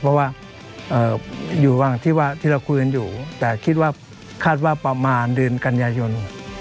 เพราะว่าอยู่ระหว่างที่เราคุยกันอยู่แต่คิดว่าคาดว่าประมาณเดือนกันยายน